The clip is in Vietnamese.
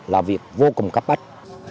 là việc vô cùng cấp bách